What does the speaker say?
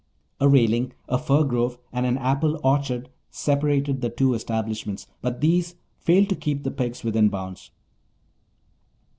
A railing, a fir grove, and an apple orchard separated the two establishments, but these failed to keep the pigs within bounds.